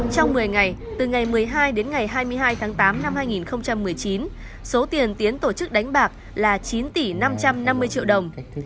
trong một mươi ngày từ ngày một mươi hai đến ngày hai mươi hai tháng tám năm hai nghìn một mươi chín số tiền tiến tổ chức đánh bạc là chín tỷ năm trăm năm mươi triệu đồng